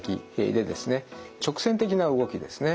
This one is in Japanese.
直線的な動きですね。